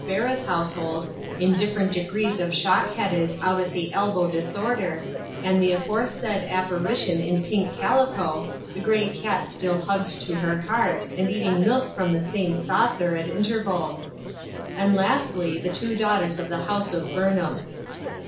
296 Ferris household, in different degrees of shock headed, out at the elbow disorder, and the afore said apparition in pink calico, the gray cat still hugged to her heart, and eating milk from the same saucer, at intervals ; and, lastly, the two daughters of the House of Burnham.